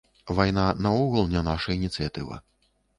Вайна наогул не наша ініцыятыва.